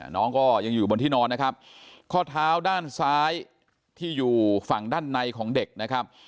น้องก็ยังอยู่บนที่นอนนะครับข้อเท้าด้านซ้ายที่อยู่ฝั่งด้านในของเด็กนะครับ